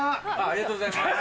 ありがとうございます。